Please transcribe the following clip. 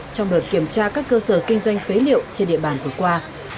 trong đợt kiểm tra các cơ sở kinh doanh phế liệu trên địa bàn vừa qua